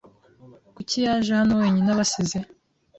Kuki yaje hano wenyine abasize?